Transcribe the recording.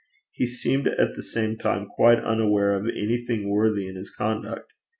He seemed at the same time quite unaware of anything worthy in his conduct.